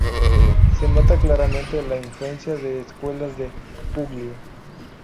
Se nota claramente la influencia de escuelas de Puglia.